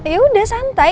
ya udah santai